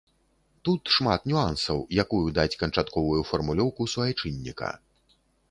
Тут шмат нюансаў, якую даць канчатковую фармулёўку суайчынніка.